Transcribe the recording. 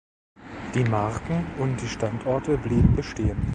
Die Marken und die Standorte blieben bestehen.